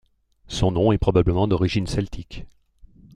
Son nom est probablement d'origine celtique.